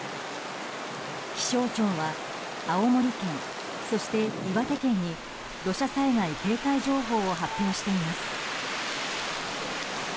気象庁は青森県、そして岩手県に土砂災害警戒情報を発表しています。